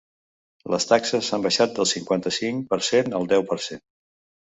Les taxes han baixat del cinquanta-cinc per cent al deu per cent.